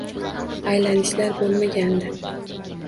Aylanishlar bo`lmagandi